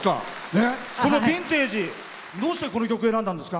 「ビンテージ」どうしてこの曲選んだんですか？